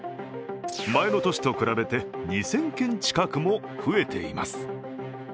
前の年と比べて２０００件近くも増えています。